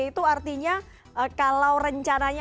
itu artinya kalau rencananya